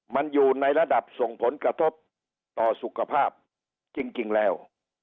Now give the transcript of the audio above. มันอยู่ในระดับส่งผลกระทบต่อสุขภาพจริงแล้ว